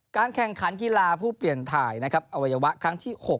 แข่งขันกีฬาผู้เปลี่ยนถ่ายนะครับอวัยวะครั้งที่๖